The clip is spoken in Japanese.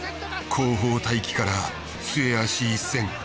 後方待機から末脚一閃。